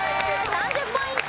３０ポイント